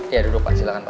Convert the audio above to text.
iya duduk pak silahkan pak